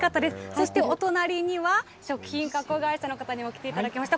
そしてお隣には、食品加工会社の方にも来ていただきました。